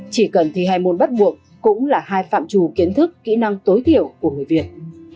chỉ cần thi hai môn bắt buộc cũng là hai phạm trù kiến thức kỹ năng tối thiểu của người việt